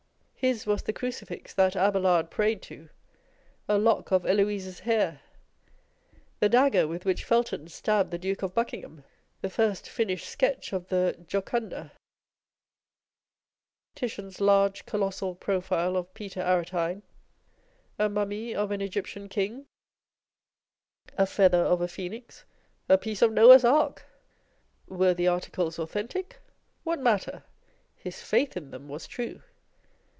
His was the crucifix that Abelard prayed to â€" a lock of Eloise's hair â€" the dagger with which Felton stabbed the Duke of Buckingham â€" the first finished sketch of the Jocunda â€" Titian's large colossal profile of Peter Aretine a mummy of an Egyptian king â€" a feather of a phcenix â€" a piece of Noah's Ark. Were the articles authentic? What matter? â€" his faith in thorn was true.